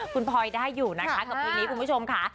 คุณพลอยได้อยู่นะคะกับเพลงนี้คุณผู้ชมค่ะ